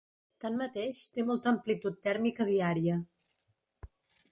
Tanmateix, té molta amplitud tèrmica diària.